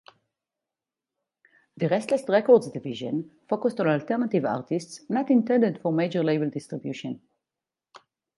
The Restless Records division focused on alternative artists not intended for major label distribution.